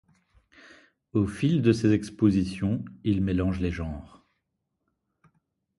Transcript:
Au fil de ses expositions il mélange les genres.